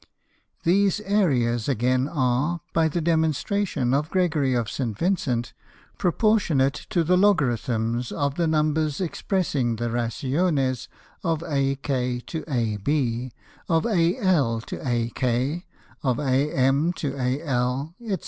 These Area's again are, by the Demonstration of Gregory of St. Vincent, proportionate to the Logarithms of the Numbers expressing the Rationes of AK to AB, of AL to AK, of AM to AL, &c.